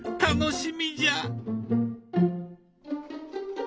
楽しみじゃ！